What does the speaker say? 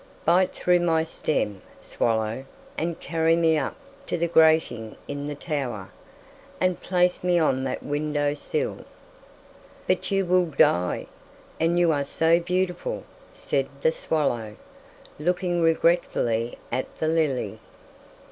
"Bite through my stem, swallow, and carry me up to the grating in the tower, and place me on that window sill." "But you will die and you are so beautiful," said the swallow, looking regretfully at the lily.